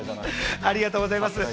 ありがとうございます。